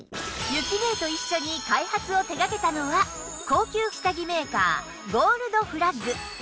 ゆきねえと一緒に開発を手掛けたのは高級下着メーカーゴールドフラッグ